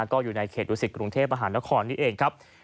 ก็อยู่ในเขตดุสิตกรุงเทพมหานครนี่เองครับ